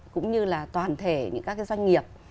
cũng như là toàn thể những các doanh nghiệp